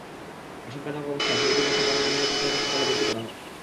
আশঙ্কাজনক অবস্থায় শহীদুলকে সাভার এনাম মেডিকেল কলেজ হাসপাতালে ভর্তি করা হয়।